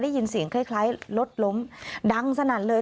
ได้ยินเสียงคล้ายรถล้มดังสนั่นเลย